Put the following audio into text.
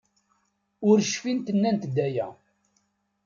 Ur cfint nnant-d aya.